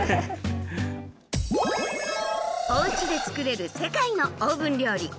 おうちで作れる世界のオーブン料理。